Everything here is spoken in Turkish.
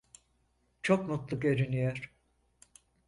Çok mutlu görünüyor.